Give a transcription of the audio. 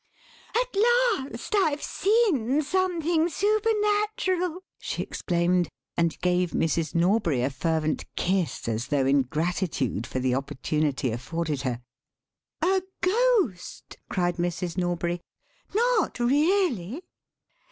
"At last I've seen something supernatural!" she exclaimed, and gave Mrs. Norbury a fervent kiss, as though in gratitude for the opportunity afforded her. "A ghost!" cried Mrs. Norbury, "not really!"